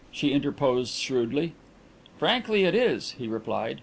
she interposed shrewdly. "Frankly, it is," he replied.